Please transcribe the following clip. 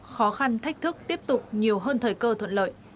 khó khăn thách thức tiếp tục nhiều hơn thời cơ thuận lợi